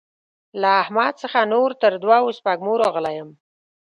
له احمد څخه نور تر دوو سپږمو راغلی يم.